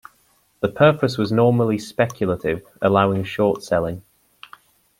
The purpose was normally speculative, allowing short selling.